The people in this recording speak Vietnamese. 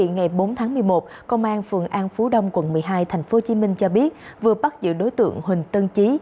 ngày bốn tháng một mươi một công an phường an phú đông quận một mươi hai tp hcm cho biết vừa bắt giữ đối tượng huỳnh tân chí